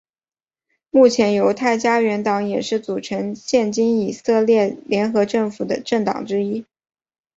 目前犹太家园党也是组成现今以色列联合政府的政党之一。